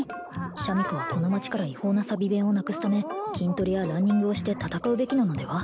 シャミ子はこの町から違法なサビ勉をなくすため筋トレやランニングをして戦うべきなのでは？